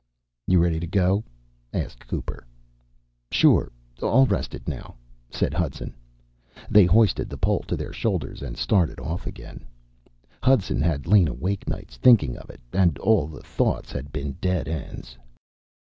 "You ready to go?" asked Cooper. "Sure. All rested now," said Hudson. They hoisted the pole to their shoulders and started off again. Hudson had lain awake nights thinking of it and all the thoughts had been dead ends.